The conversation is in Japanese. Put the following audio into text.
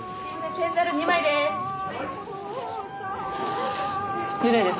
天ざる２枚です。